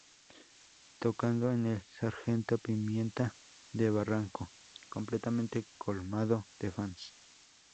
Tocando en el Sargento pimienta de Barranco completamente colmado de fans.